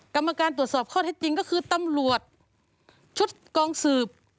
กรรมการตรวจสอบข้อเท็จจริงก็คือตำรวจชุดกองสืบ